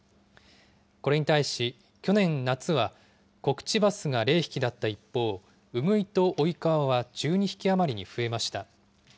これに対し、去年夏は、コクチバスが０匹だった一方、ウグイとオイカワは１２匹余りに増えました。